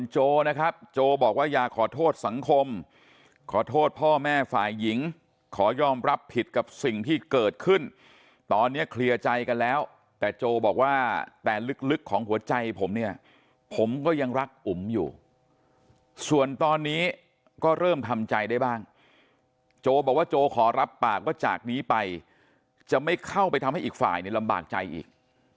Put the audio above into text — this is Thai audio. โจนะครับโจบอกว่าอยากขอโทษสังคมขอโทษพ่อแม่ฝ่ายหญิงขอยอมรับผิดกับสิ่งที่เกิดขึ้นตอนนี้เคลียร์ใจกันแล้วแต่โจบอกว่าแต่ลึกของหัวใจผมเนี่ยผมก็ยังรักอุ๋มอยู่ส่วนตอนนี้ก็เริ่มทำใจได้บ้างโจบอกว่าโจขอรับปากว่าจากนี้ไปจะไม่เข้าไปทำให้อีกฝ่ายในลำบากใจอีก